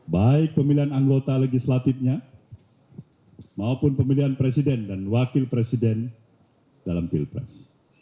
baik pemilihan anggota legislatifnya maupun pemilihan presiden dan wakil presiden dalam pilpres